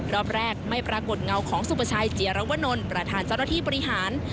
รอบแรกไม่ปรากฏเงาของสุประชัยเจียรวนลประธานเจ้าหน้าที่บริหาร